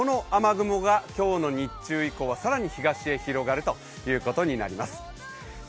この雨雲が今日の日中以降、更に東に広がるということになります。